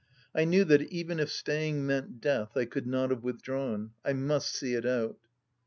I knew that even if staying meant death, I could not have withdrawn. I must see it out.